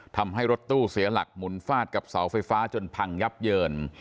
ทำให้รถตู้เสียหลักหมุนฟาดกับเสาไฟฟ้าจนพังยับเยิน